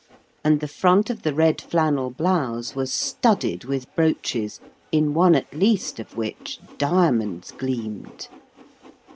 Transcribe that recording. And the front of the red flannel blouse was studded with brooches, in one at least of which diamonds gleamed.